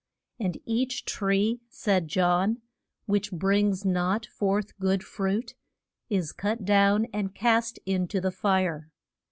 And each tree, said John, which brings not forth good fruit is cut down and cast in to the fire.